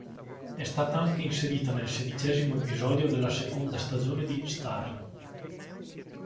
È stata anche inserita nel sedicesimo episodio della seconda stagione di "Star".